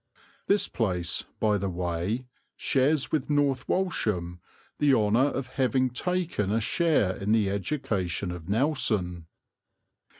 This place, by the way, shares with North Walsham the honour of having taken a share in the education of Nelson.